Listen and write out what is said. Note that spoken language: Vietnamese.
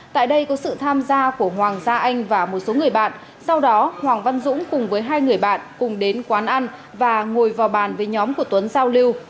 tại đây có sự tham gia của hoàng gia anh và một số người bạn sau đó hoàng văn dũng cùng với hai người bạn cùng đến quán ăn và ngồi vào bàn với nhóm của tuấn giao lưu